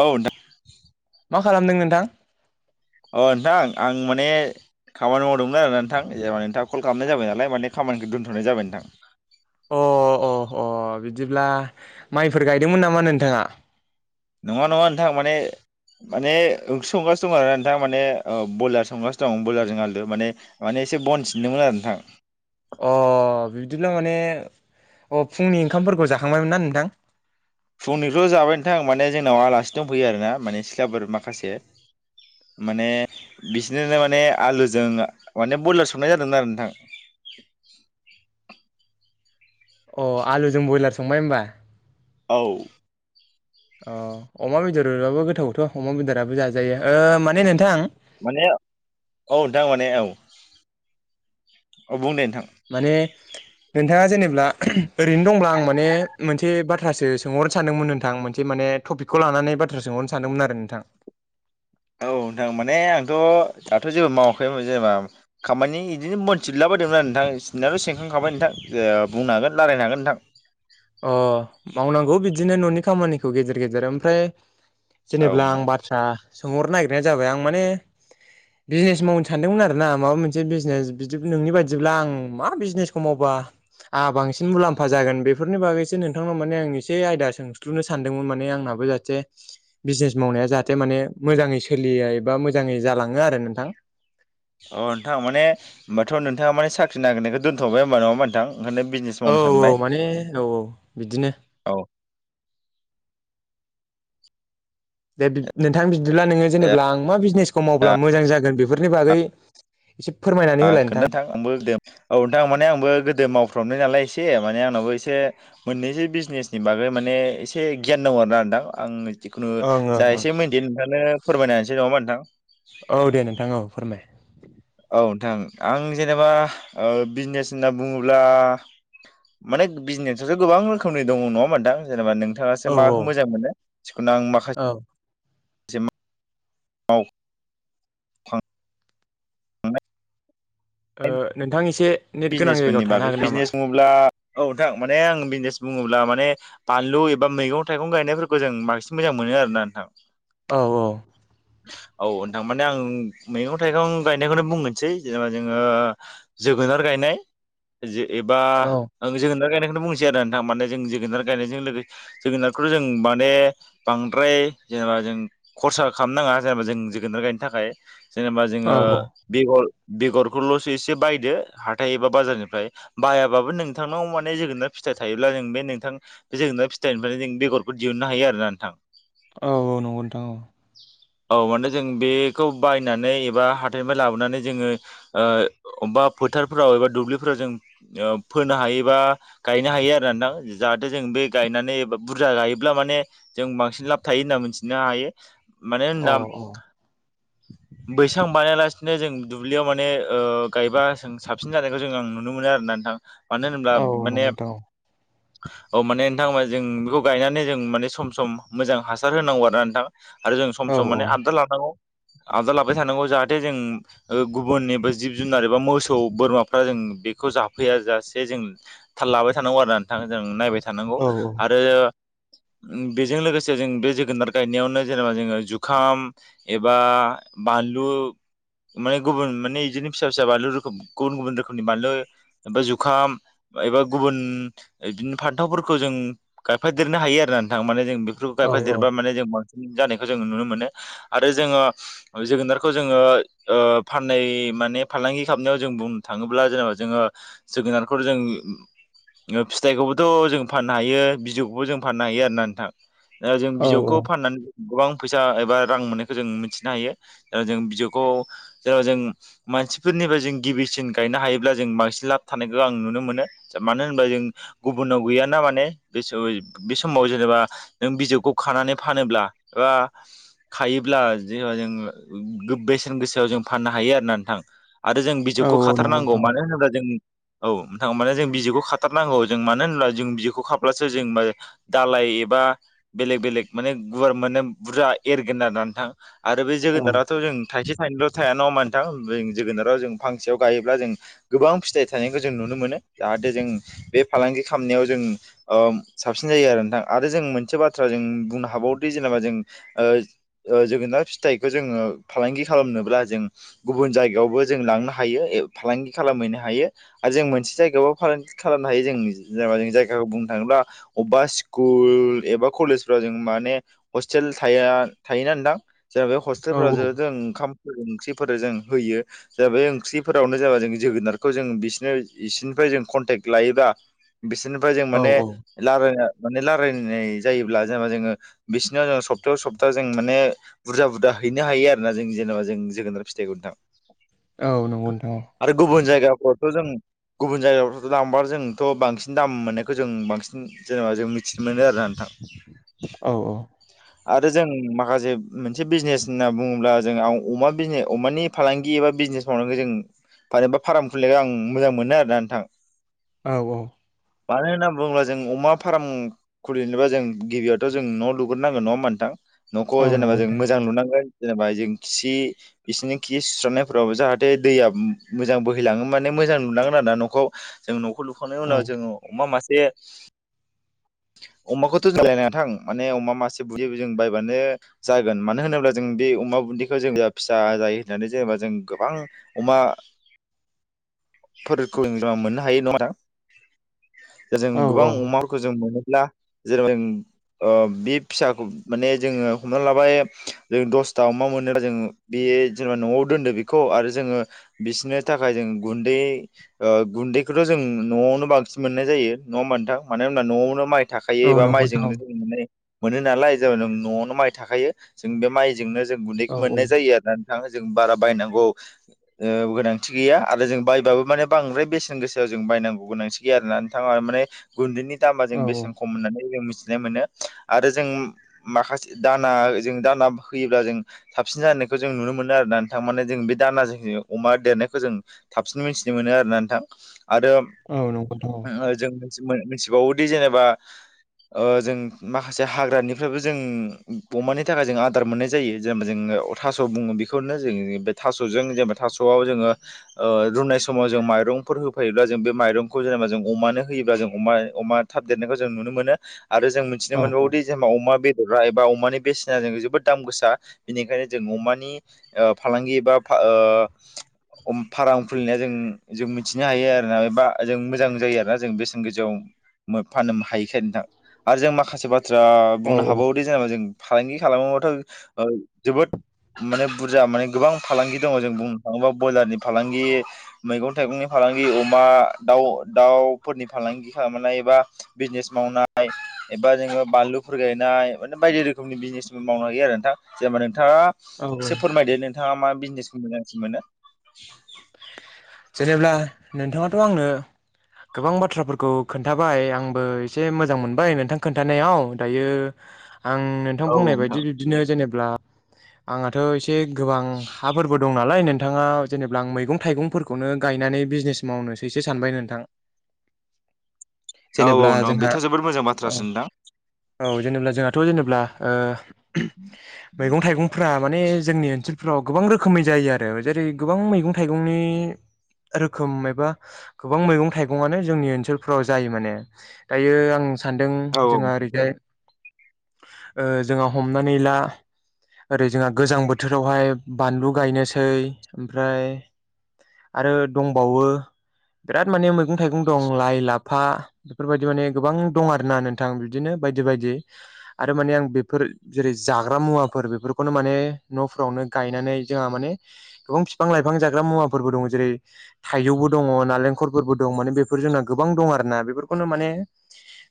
औ नोंथां मा खालामदों नोंथां अ नोंथां आं माने खामानि मावदोंमोन आरोना नोंथां जेना नोंथाङा कल खालामनाय जाबाय नालाय माने खामानिखौ दोन्थ'नाय जाबाय नोंथां अ अ अ बिदिब्ला माइफोर गायदोंमोन नामा नोंथाङा नङा नङा नोंथां माने माने ओंख्रि संगासिनो दं आरो ना नोंथां माने ब्रयलार संगासिनो दं ब्रयलारजों आालदो माने माने एसे बन सिनदोंमोन आरो नोंथां अ बिदिब्ला माने अ फुंनि ओंखामफोरखौ जाखांबायमोन नों थां फुंनिखौ जाबाय नोंथां माने जोंनाव आलासि दंफैयो आरोना माने सिख्लाफोर माखासे माने बिसरनो माने आलुजों माने ब्रयलार संनाय जादोंमोन आरो नोंथां [inaudible] अ आलुजों ब्रयलार संबाय होनोमबा औ अ अमा बेदरबाबो गोथावथ अमा बेदराबो जाजायो माने नोंथां माने औ नोंथां माने औ औ बुंदों माने नोंथाङा जेनेब्ला ओरैनो दंब्ला आं माने मोनसे बाथ्रासो सोंहरनो सानदोंमोन नोंथां मोनसे माने टपिकखौ लानानै बाथ्रा सोंहरनो सानदोंमोन आरो नोंथां औ नोंथां माने आंथ दाथ जेबो मावाखै जेनबा खामानि बिदिनो मोनथिला बायदोंमोन आरो नोंथां सगननायाथ सिनखां खाबाय नोंथां बुंनो हागोन राय्लायनो हागोन नोंथां अ मावनांगौ बिदिनो न'नि खामानिखौ गेजेर गेजेर ओमफ्राय औ जेनेबब्ला आं नोंथां बाथ्रा सोंहरनो नागिरनायानो जाबाय आं माने बिजनेस मावनो सानदोंमोन आरोना माबा मोनसे बिजनेस बिदि नोंनि बायदिब्ला आं मा बिजनेसखौ मावबा आंहा बांसिन मुलाम्फा जागोन बे बेफोरनि बागैसो नोंथांनाव मान आं एसे आयदा सोंस्लुनो सानदोंमोन माने आंनाबो जाहाथे बिजनेस मावनाय जाहाथे माने मोजाङै सोलियो एबा मोजाङै जालाङो आरो नोंथां अ नोंथां मे होनोमबाथ नोंथाङा माने साख्रि नागिरनायखौ दोनथबाय होनोमबा नङामा नोंथां ओंखायनो बिजनेस मावनो औ सानबाय माने औ बिदिनो औ दे नोंथां बिदिब्ला नोङो जेनेबा आं मा बिजनेसखौ मावब्ला मोजां जागोन बेखौ बेफोरनि बागै एसे फोरमायनानै होलाय नोंथां खोन्थाथां आंबोद औ नोंथा माने आंबो गोदो माव फ्रामनाय नालाय एसे माने आंनावो एसे मोननैसो बिजनेसनि बागै माने एसे गियान दङ आरो ना नोंथां आं जिखुनु ओं ओं जा ओं एसे मदि नोंथांनो फोरमायनासै नङामा नोंथां औ दे नोंथां औ फोरमाय औ नोंथां आं जेनेबा बिजनेस होनना बुङोब्ला माने बिजनेसाथ गोबां रोखोमनि दङ नङाहोनबा नोंथां जेनेबा नों औ नोंथाङासो औ माखौ मोजां मोनो जिखुनु आं माखासे औ औ थां नोंथां एसे नेट गोनां बिजनेसफोरनि जायगायाव थानो बागै हागोन नामा बिजनेस बुङोब्ला औ नोंथां माने आं बिजनेस बुङोब्ला माने बानलु एबा मैगं थाइगं गायनायफोरखौ जों बांसिन मोजां मोनो आरोन ना नोंथां औ औ औ नोंथां माने आं मैगं थाइगं गायनायखौनो बुंगोनसै जेनेबा जोङो ज जोगोनार गायनाय एबा आं जोगोनार गायनायखौ बुंसै आरो नों माने जों जोगोनार गायनायजों जोगोनारखौथ जों माने बांद्राय जेनेबा जों खरसा खालामनााङा जेनेबा जों जोगोनार गायनो थाखाय जेनेबा औ जोङो बेगर बेगरखौलसो एसे बायदो हाथाय एबा बाजारनिफ्राय बायाबाबो नोंथांनाव माने जोगोना फिथाइ थायोब्ला जों बे नोंथां जों फिथाइनिफ्रायनो जों बेगरखौ दिहुननो हायो आरोना नोंथां औ औ नंगौ नोंथां औ औ माने जों बेखौ बायनानै एबा हाथायनिफ्राय लाबोनानै जोङो अबेबा फोथारफोराव एबा दुब्लिफोराव जों फोनो हायो बा गायनो हायो आरो नथां जाहाथे जों बे गायनानैबा बुरजा गायोब्ला माने जों बांसिन लाब थायो होनना मिथिनो हायो माने औ नाम औ बैसां बानायालासिनो जों दुब्लियाव माने गायबा साबसिन जानायखौ जों नुनो मोनो आरो नोंथां मानो होनोब्ला औ माने नंगौ नोंथां औ माने नोंथां जों बेखौ गायनानै जों माने सम सम मोजां हासार होनांगौ आरो ना नोंथां आरो जों सम औ सम औ माने आबदार लानांगौ आबदाल लाबाय थानांगौ जाहाथे जों ओ गुबुन एबा जिब जुनार एबा मोस सौ बोरमाफ्रा जों बेखौ जाफैया जासे जों थाल लाबाय थानांगौ आरो ना नोंथां जों नायबाय थानांगौ औ आरो बेजों लोगोसे जों बे जोगोनार गायनायावनो जेनेबा जोङो जुखाम एबा बानलु माने गुबुन माने इदिनो फिसा फिसा बानलुु रू गुबुन गुबुन रोखोमनि बानलु एबा जुखाम एबा गुबुन बिदिनो फान्थावफोर खो जों गायफादेरनो हायो आरो नोंथां माने जों बेफोरखौ औ गायफादेरबा माने जों बां जानायखौ जों नुनो मोनो आरो जोङो जोगोनारखौ जोङो ओ फानै माने फालांगि खालामनायाव जों बुंनो थाङोब्ला जेनेबा जोङो जोगोनारखौ जों उम फिथाइखौबोथ' जों फाननो हायो बिजौखौबो जों फाननो हायो आरो ना नोंथां ओ जों औ बिजौखौ फाननानै गोबां फैसा एबा रां मोननायखौ जों मिथिनो हायो ओ जों बिजौखौ जेनेबा जों मानसि फोरनिफ्राय जों गिबिसिन गायनो हायोब्ला जों बांसिन लाब थानायखौ आं नुनो मोनो मानो होनोबा जों गुबुन उनाव गैयाना माने बे सय बे समाव जेनेबा नों बिजाबखौ खानानै फानोब्ला ओ खायोब्ला जेनबा जों गो बेसेन गोसायाव जों फाननो हायो आरो ना नोंथां आरो जों औ बिजौखौ औ नंगौ खाथारनांगौ नोंथां मानो होनोब्ला जों औ नोंथां माने जों बिजौखौ खाथारनांगौ जों मानो होनब्ला जों बिजौखौ खाब्लासो जों दालाय एबा बेलेक बेलेग माने गुवार मोनो बुरजा एरगोन आरो नि नोंथां आरो बे औ जोगोनाराथ' जों थाइसे थाइनैल' थाया नङा होनबा नोंथां जों जोगोनार राव जों फांसेयाव गायोब्ला जों गोबां फिथाइ थानायखौ जों नुनो मोनो जाहाथे जों बे फालांगि खाम नायाव जों ओ साबसिन जायो आरो नोंथां आरो जों मोनसे बाथ्रा जों बुंनो हाबावोदि जेनेबा जों ओ ओ जोगोनार फिथाइखौ जों फालांगि खालामनोब्ला जों गुबुन जायगायावबो जों लांनो हायो ए फालांगि खालामहैनो हायो आरो जों मोनसे जायगायावबो फालांगि खालामनो हायो जों ओ जों जायगाखो बुंनो थाङोब्ला अबबा स्कुल एबा कलेसफ्राव जों माने हसटेल था यो थायोना नोंथां जेन बे औ हस्टेलफोराव जे जों ओंखामफोर ओंख्रिफोर जों होयो जाबाय ओंख्रिफोरावनो जाबा जों जोगोनारखौ जों बिसोरनो इसिनिफ्राय जों कन्टेक्ट लायोबा बिसोरनिफ्राय जों औ माने औ लारायनो माने रालायनाय जायोब्ला जेनेबा जोङो बिसिनाव जों सप्तायाव सप्ता जों माने बुरजा बुरजा हैनो हायो आरोना जों जेनेबा जों जोगोनार फिथाइखौ नोंथां औ नंगौ नोंथां औ [unintelligible] ' जों गुबुन जायगायावथ' थ लांबा जोंथ' बांसिन दाम मोननायखौ जों बांसिन जेनेबा जों मिथिनो मोनो आरोना नोंथां [inaudible] औ औ आरो जों माखासे मोनसे बिजनेस होनना बुङोब्ला जों आव अमा बिने अमानि फालांगि एबा बिजनेस फ्रावनांगै जों फानोबा फार्म खुलिनायखौ आं मोजां मोनो आरोना नोंथां औ औ मानो होनना बुङोब्ला जों अमा फार्म खुलिनोब्ला जों गिबियावथ' जों न' लुग्रोनांगोन नङा होमबा नोंथां न'खौ औ जेनेबा नंगौ जों नोंथां मोजां लुनांगोन जेनेबा जों खि बिसिनि खि सुस्रांनायफोरावबो जाहाथ थे दैया मोजां बोहैलाङो माने मोजां लुनांगोन आरो ना न'खौ जों' न फु लुखांनायनि औ नंगौ नोंथां औ उनाव जोङो अमा मासे [inaudible] अमाखौथ' [unintelligible] थां माने अमा मासे बु जों बायबानो जागोन मानो होनोब्ला जों बे बे अमा बुन्दिखौ जों जि फिसा जायो होननानै जेनेबा जों गोबां अमाफोरखौ [unintelligible] मोननो हायो नङा नोंथां दा जों गोबां अमाफोरखौ जों मोनोब्ला जेनेबा जों ओ बे फिसाखौ माने जोङो हमना लाबाय जों दसथा अमा मोनोबा जों बे बे जेनेबा न'आव दोनदो बेखौ आरो जोङो बिसोरनि थाखाय जों गुन्दै ओ गुन्दैखौथ' जों न'आवनो बांसिन मोननाय जायो जायो नङा होमबा नोंथां मानो होनबा न'आवनो माइ थाखायो औ एबा नंगौ नोंथां मायजोंनो जों मोनोनालाय जावनाव न'आवनो माइ थाखायो जों बे माइ नो जों औ गुनदैखौ औ मोननाय जायो आरो ना नोंथा जों बारा बायनांगौ गोनांथि गैया आरो जों बायबाबो माने बांद्राय बेसेन गोसायाव जों बायनांगौ गोनांथि गैया आरोना नोंथां गुन्दैनि दामा जों बेसे खम होननानै जों मिथि मिथिना मोनो आरो जों माखासे दाना जों दाना होयोब्ला जों साबसिन जानो खौ जों नुनो मोनो आरोना जों नोंथां मान जों बे दानाजों अमा देरनायखौ जों थाबसिन मिथिनो मोनो आरोना नोंथां आरो जों मिथिबावोदि जेनेबा जों माखासे हाग्रानिफ्रायबो जों अमानि थाखाय जों आदार मोननाय जायो जेनेबा जों थास' बुङो बेखौनो जों बे थास'जों जे थास'आव जोङो रुनाय समाव जों माइरंफोर होफायोब्ला जों बे माइरंखौ जेनेबा जों अमानो होयो जेनेबा जों अमा थाब देरनायखौ जों नुनो मोनो आरो जों मिथिनो मोनबावोदि जेनेबा अमा बेदर एबा अमानि बेसेना जों जोबोद दाम गोसा बेनिखायनो जों अमानि फालांगि एबा ओ [unintelligible] फार्म खुलिनाया जों जों मिथिनो हायो आरोना एबा जों मोजां जायो आरोना जों बेसेन गोजौ फाननो हायिखाय नोंथां आरो जों माखासे बाथ्रा औ बुंनो हाबावोदि जेनेबा जों फालांगि खालामोबाथ' जोबोद माने बुरजा माने गोबां फालांगि दङ जों बुं थाङोबा ब्रयलारनि फालांगि मैगं थाइगंनि फालांगि अमा दाउ दाउफोरनि फालांगि फालांगि खालामनाय एबा बिजनेस मावनाय एबा जोङो बानलुफोर गायनाय माने बायदि रोखोम आंनि बिजनेसबो मावनो हायो आरो नोंथां जे मान नोंथाङा औ औ एसे फोरमायदो नोंथाङा मा बिजनेसखौ मोजांसिन मोनो जेनेब्ला नोंथाङाथ' आंनो गोबां बाथ्राफोरखौ खोन्थाबाय आंबो एसे मोजां मोनबाय नोंथां खोन्थानायाव दायो आं नोंथां औ औ बुंनाय बायदि बिब्दिनो जेनेबला आंहथ' एसे एसे गोबां हाफोरबो दं नालाय नोंथाङा जेनेबा आं मै मैगं थाइगंफोरखौनो गायनानै बिजनेस मावनोसै सो सानबाय नोंथां औ जेनेबा नोंथां जोंहा बेथ' जोबोद मोजां औ बाथ्रासो नोंथां औ जेनेब्ला जोंहाथ' जेनेबब्ला मैगं थाइगंफ्रा माने जोंनि ओनसोल फ्राव गोबां रोखोमै जायो आरो जेरै गोबां मैगं थाइगंनि रोखोम एबा गोबां मैगं थाइगंङानो जोंनि ओनसोलफोराव जायो माने दायो आं सानदों औ जोंहा ओरैहाय जोंहा हमनानै ला ओरै जोंहा गोजां बोथोरावहाय बानलु गायनोसै ओमफ्राय आरो दंबावो बिराद माने मैगं थाइगं दं लाइ लाफा बेफोरबायदि माने गोबां दं आरोना नोंथां बिदिनो बायदि बायदि आरो माने आं बेफोर जेरै जाग्रा मुवाफोर बेफोरखौनो माने न'फ्रावनो गायनानै जोंहा गोबां फिफां लाइफां जागोन मुवाबो दं जेरै थाइजौबो दङ नालेंखलफोरबो दं माने बेफोर जोंना गोबां दं आरोना बेफोरखौ खौनो माने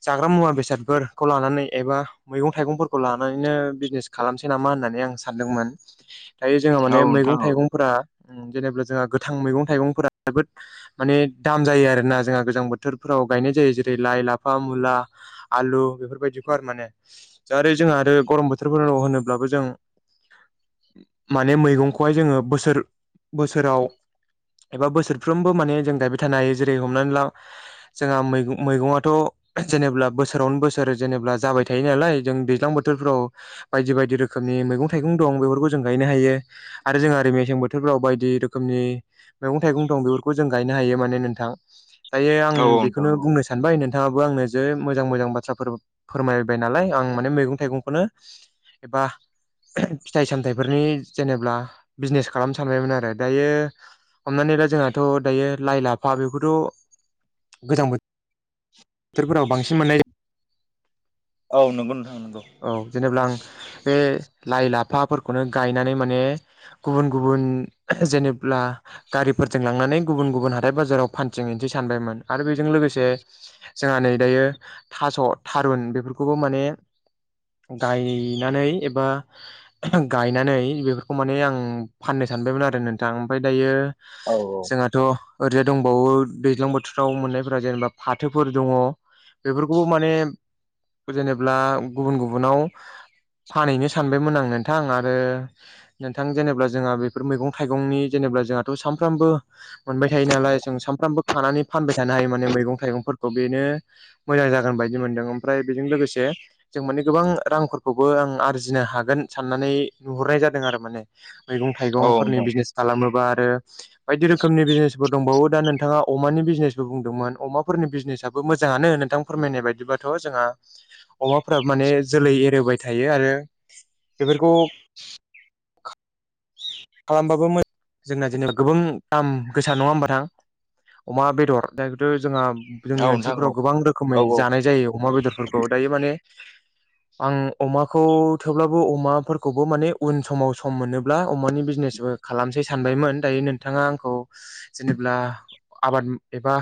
जाग्रा मुवा बेसादफोरखौ लानानै एबा मैगं थाइगंफोरखौ लानानैनो बिजनेस खालामसै नामा होननानै आं सानदोंमोन दायो जोंहा औ माने नोंथां मैगं औ थाइगंफोरा जेनेा जोंहा गोथां मैगं थाइगंफोरा जोबोद माने दाम जायो आरोना जोंहा गोजां बोथोरफ्राव गायनाय जायो जेरै लाइ लाफा मुला आलु बेफोरबायदिखौ आरो माने जोंहा आरो गरम बोथोराव बोथोरफोर होनोब्लाबो जों माने मैगंखौहाय जोङो बोसोर बोसोराव एबा बोसोरफ्रोमबो माने जों गायबाय थानो हायो जेरै हमनानै ला जोंहा मैगंआथ' जेनेबब्ला बोसोरावनो बोसोर जेनेबा जाबाय थायो नालाय जों दैज्लां बोथोरफ्राव बायदि बायदि रोखोम मनि मैगं थाइगं दं बेफोरखौ जों गायनो हायो आरो जों ओरै मेसें बोथोरफ्राव बाय बायदि रोखोमनि मैगं थाइगं दं बेफोरखौ जों गायनो हायो माने नोंथां दायो आं औ नोंथां बेखौनो औ बुंनो सानबाय नों बिथाङाबो आंनो जे मोजां मोजां बाथ्राफोर फोरमायबाय नालाय आं माने मैगं थाइगंखौनो एबा फिथाइ सामथायाइफोरनि जेनेबा बिजनेस खालामनो सानबायमोन आरो दायो हमनानै दा जोंहाथ' दायो लाइ लाफा बेखौथ' गोजां बोथोर बोथोरफोराव बांसिन मोननाय औ नंगौ नंगौ औ जेनेबा आं बे लाइ लाफा फोरखौनो गायनानै माने गुबुन गुबुन जेनेब्ला गारिफोरजों लांनानै गुबुन गुबुन हाथाय बाजाराव फानथिं हैनोसै सानबायमोन आरो बेजों लोगोसे जोंहा नै दायो थास' थारुन बेफोरखौबो माने गायनानै एबा गायनानै बेफोरखौ माने आं फान ननो सानदोमोन आरो नोंथां ओमफ्राय दायो औ औ जोंहाथ' ओरैजाय दंबावो दैज्लां बोथोराव मोननायफोरा जेनेबा फाथोफोर दङ बेफोरखौबो माने जेनेबा गुबुन गुबुनाव फानहैनो सानबायमोन आं नोंथां आरो नोंथां जेनेबा जोंहा बेफोर मैगं थाइगंनि जेनेबा जोंहाथ' सानफ्रामबो मोनबाय थायो नालाय जों साफ्रोमबो खानानै फानबाय थानो हायो माने मैगं थाइगंफोरखौ बेनो मोजां जागोन बायदि मोन्दों ओमफ्राय बेजों लोगोसे जों माने गोबां रांफोरखौबो आं आरजिनो हागोन साननानै नुहरनाय जादों आरो माने मैगं औ थाइगंफोरनि नोंथां बिजनेस खालामोबा बायदि रोखोमनि बिजनेफोर दंबावो दा नोंथाङा अमानि बिजनेसबो बुंदोंमोन अमाफोरनि बिजनेस आबो नोंथां फोरमायनाय बादिब्ला थ' जोंहा अमा फ्राबो माने जोलै एरोहोबाय थायो आरो बेफोरखौ खालामबाबो मोजां जोंना जेनेबा गोबां दाम गोसा नङा होमबा नोंथां अमा बेदर दायथ' जोंहा औ जोंनि नोंथां औ ओनसोलफोराव गोबां रोखोमै औ जानाय जायो अमा बेदरफोरखौ दायो माने आं अमाखौ थेवब्लाबो अमाफोरखौबो माने उन समाव सम मोनोब्ला अमानि बे बिजनेसबो खालामसै सानबायमोन दायो नोंथाङा आंखौ जेनेब्ला आबाद एबा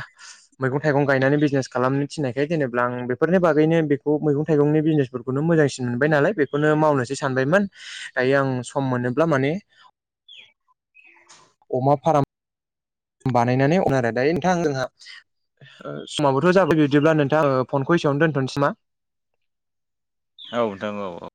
मैगं थाइगं गायनानै बिजनेस खालामनो थिन्नायखाय जेनेबा आं बेफोरनि बागैनो बे बेखौ मैं थाइगंनि बिजनेसफोरखौनो मोजांसिन मोनबाय नालाय बेखौनो मावनोसै सानबायमोन दायो आं सम मोन नोब्ला माने अमा फाराम बानायनानै [unintelligible] आरो दायो नोंथां जोंहा समावोथ' जाबाय बिदिब्ला नोंथाङा फनखौ एसेयावनो दोनथ'नोसै नामा औ नोंथां औ औ